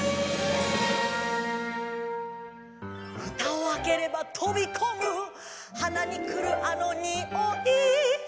「ふたをあければとびこむはなにくるあのにおい」